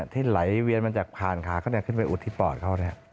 ที่ไหลเวียนมาจากผ่านขาเขาขึ้นไปอุดที่ปอดเขา